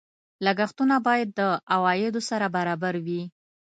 لګښتونه باید د عوایدو سره برابر وي.